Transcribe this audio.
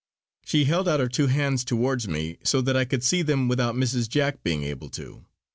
She held out her two hands towards me so that I could see them without Mrs. Jack being able to.